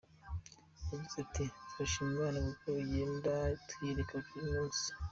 Yagize ati “Turashima Imana kuko igenda itwiyereka buri munsi.